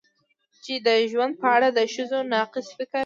چې د ژوند په اړه د ښځو ناقص فکر